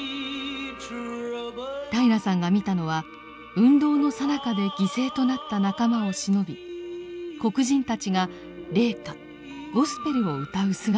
平良さんが見たのは運動のさなかで犠牲となった仲間をしのび黒人たちが霊歌「ゴスペル」を歌う姿でした。